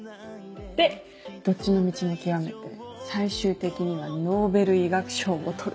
でどっちの道も究めて最終的にはノーベル医学賞を取る。